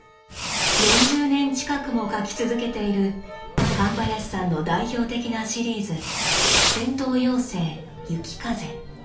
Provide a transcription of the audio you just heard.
４０年近くも書き続けている神林さんの代表的なシリーズ「戦闘妖精・雪風」。